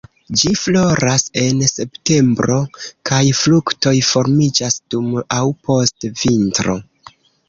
Ĝi floras en septembro kaj fruktoj formiĝas dum aŭ post vintro.